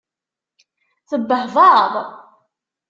Tebbehbaḍ?